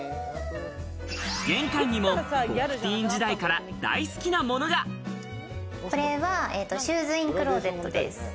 玄関にも『Ｐｏｐｔｅｅｎ』時代から大好きなものがこれはシューズインクローゼットです。